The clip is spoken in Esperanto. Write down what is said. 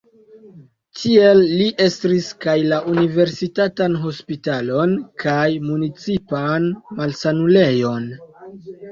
Tiel li estris kaj la universitatan hospitalon kaj municipan malsanulejon.